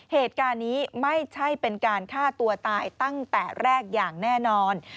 เหตุการณ์นี้ไม่ใช่เป็นการฆ่าตัวตายตั้งแต่แรกอย่างแน่นอน